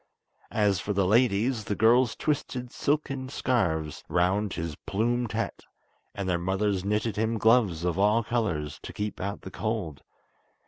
As for the ladies, the girls twisted silken scarves round his plumed hat, and their mothers knitted him gloves of all colours, to keep out the cold.